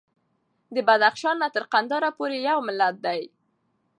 د بدخشان نه تر قندهار پورې یو ملت دی.